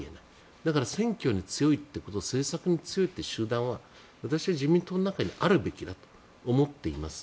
だから、選挙に強いということ政策に強いという政策は私は自民党の中にあるべきだと思っています。